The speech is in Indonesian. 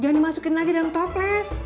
jangan dimasukin lagi dalam toples